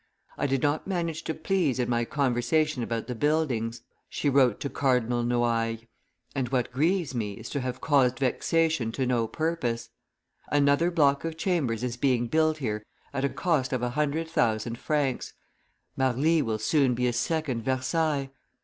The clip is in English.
"I did not manage to please in my conversation about the buildings," she wrote to Cardinal Noailles, "and what grieves me is to have caused vexation to no purpose. Another block of chambers is being built here at a cost of a hundred thousand francs; Marly will soon be a second Versailles.